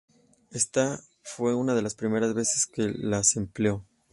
Ésta fue una de las primeras veces que las empleó.